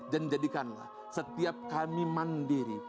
dan jadikanlah setiap kami mandiri